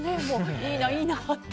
いいな、いいなって。